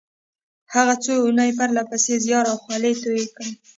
هغه څو اونۍ پرله پسې زيار او خولې تويې کړې.